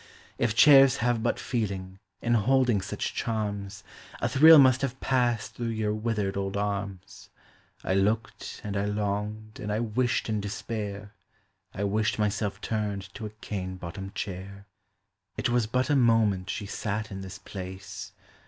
If chairs have but feeling, in holding such charms, A thrill m us t have passed through your withered old arms ; I looked, and I longed, and I wished in despair; I wished myself turned to a cane bottomed chair. It was but a moment she sat in this place.